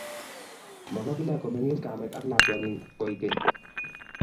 mabo kila komengis kamet ak lakwenyi koek keny